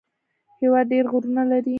هېواد ډېر غرونه لري